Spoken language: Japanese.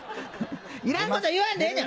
いらんこと言わんでええねん！